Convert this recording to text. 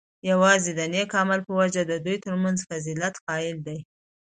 یواځی د نیک عمل په وجه د دوی ترمنځ فضیلت قایل دی،